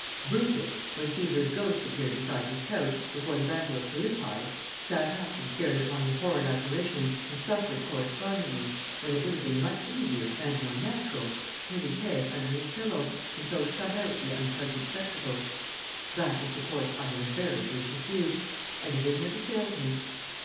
Brutus, when Caesar's ghost appeared beside his couch, before the battle of Philippi, sat up and stared upon the horrid apparition, and suffered correspondingly, when it would have been much easier and more natural to put his head under his pillow, and so shut out the unpleasant spectacle. That is the course I have invariably pursued, and it has never failed me.